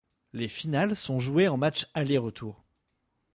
Les finales sont jouées en matchs aller-retour.